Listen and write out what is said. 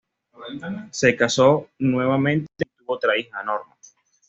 Se casó nuevamente y tuvo otra hija, Norma.